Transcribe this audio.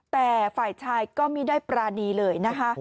แต่ฝ่ายชายก็ไม่ได้ปรานีเลยนะคะ